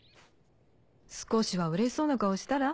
少しはうれしそうな顔したら？